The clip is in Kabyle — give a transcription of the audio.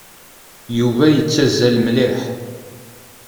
Yuba yettazzal mliḥ.